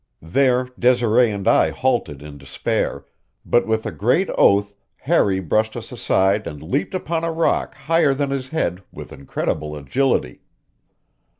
There Desiree and I halted in despair, but with a great oath Harry brushed us aside and leaped upon a rock higher than his head with incredible agility.